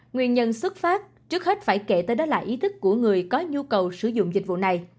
nguyên nhân xuất phát trước hết phải kể tới đó là ý thức của người có nhu cầu sử dụng dịch vụ này